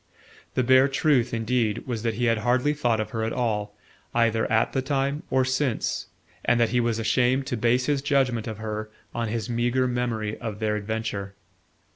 The bare truth, indeed, was that he had hardly thought of her at all, either at the time or since, and that he was ashamed to base his judgement of her on his meagre memory of their adventure.